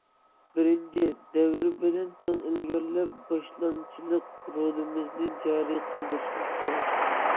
بىرىنچى، دەۋر بىلەن تەڭ ئىلگىرىلەپ، باشلامچىلىق رولىمىزنى جارى قىلدۇرۇشىمىز كېرەك.